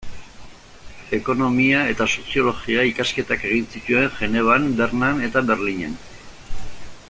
Ekonomia- eta soziologia-ikasketak egin zituen Genevan, Bernan eta Berlinen.